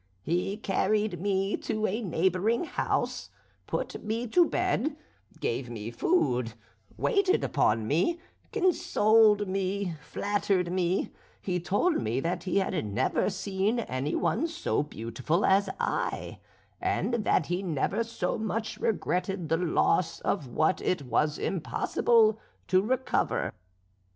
He carried me to a neighbouring house, put me to bed, gave me food, waited upon me, consoled me, flattered me; he told me that he had never seen any one so beautiful as I, and that he never so much regretted the loss of what it was impossible to recover.